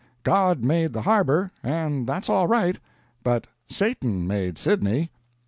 God made the Harbor, and that's all right; but Satan made Sydney."